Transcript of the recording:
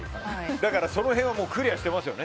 だからその辺はクリアしてますよね。